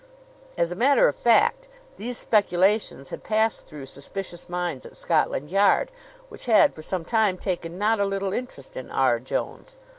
As a matter of fact, these speculations had passed through suspicious minds at Scotland Yard, which had for some time taken not a little interest in R. Jones.